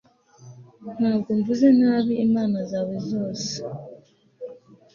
Ntabwo mvuze nabi imana zawe zose